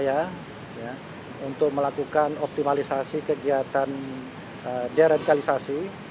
saya untuk melakukan optimalisasi kegiatan deradikalisasi